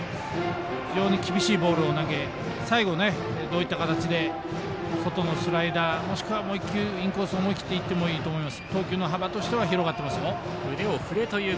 非常に厳しいボールを投げ、最後どういった形で外のスライダーもしくはもう１球インコースいってもいいと思います。